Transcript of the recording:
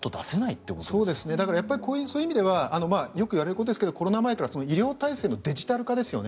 そういう意味ではよく言われることですけどコロナ前から医療体制のデジタル化ですよね。